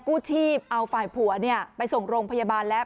กู้ชีพเอาฝ่ายผัวไปส่งโรงพยาบาลแล้ว